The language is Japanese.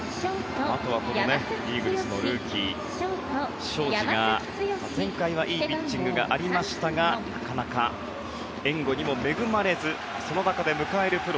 あとはイーグルスのルーキー、荘司が前回はいいピッチングがありましたがなかなか、援護にも恵まれずその中で迎えるプロ